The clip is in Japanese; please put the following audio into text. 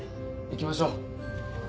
行きましょう。